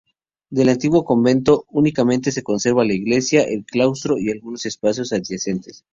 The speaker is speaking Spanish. Del antiguo convento, únicamente se conserva la iglesia, el claustro y algunos espacios adyacentes.